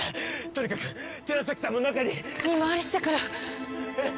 とにかく寺崎さんも中に見回りしてくるえっ？